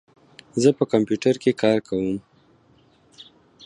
زه په کمپیوټر کې کار کوم.